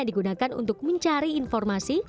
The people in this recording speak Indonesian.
digunakan untuk mencari informasi